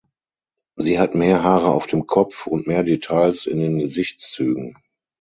Sie hat mehr Haare auf dem Kopf und mehr Details in den Gesichtszügen.